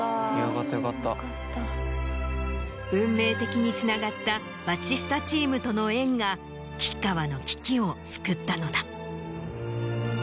運命的につながったバチスタチームとの縁が吉川の危機を救ったのだ。